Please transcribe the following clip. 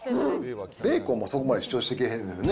ベーコンもそこまで主張してけえへんのよね。